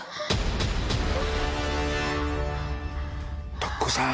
時子さん。